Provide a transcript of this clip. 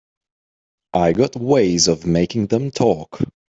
I got ways of making them talk.